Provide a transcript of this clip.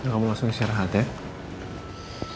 kamu langsung siarah hati ya